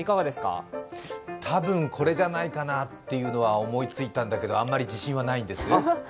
多分これじゃないかなというのは思いついたんだけど、あんまり自信はないんです。